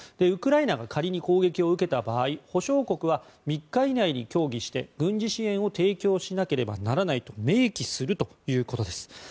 ウクライナが仮に攻撃を受けた場合保証国は３日以内に協議して軍事支援を提供しなければならないと明記するということです。